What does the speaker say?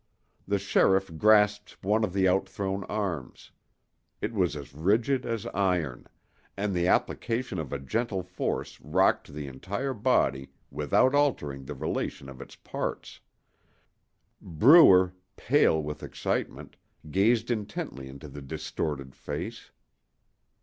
The sheriff grasped one of the outthrown arms; it was as rigid as iron, and the application of a gentle force rocked the entire body without altering the relation of its parts. Brewer, pale with excitement, gazed intently into the distorted face.